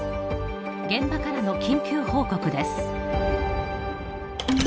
現場からの緊急報告です。